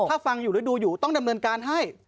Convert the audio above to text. ถ้าฟังอยู่หรือดูอยู่ต้องดำเนินการให้